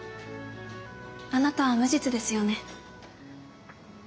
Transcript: あなたは無実ですよね？